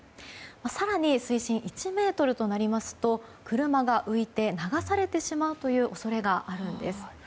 更に、水深１ｍとなりますと車が浮いて流されてしまうという恐れがあるんです。